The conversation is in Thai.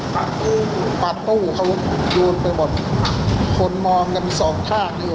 ปัดตู้ปัดตู้เขายูนไปหมดคนมองกันมีสองท่านเนี่ยโอ้โห